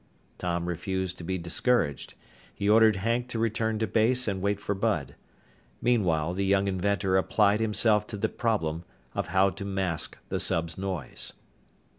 Tom refused to be discouraged. He ordered Hank to return to base and wait for Bud. Meanwhile, the young inventor applied himself to the problem of how to mask the sub's noise.